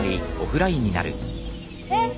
えっ？